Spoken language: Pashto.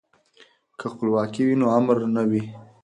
که خپلواکي وي نو امر نه وي.